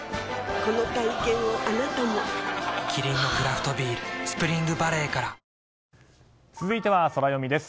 この体験をあなたもキリンのクラフトビール「スプリングバレー」から続いてはソラよみです。